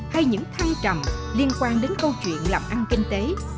hay những thay trầm liên quan đến câu chuyện làm ăn kinh tế